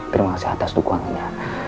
terima kasih atas dukungannya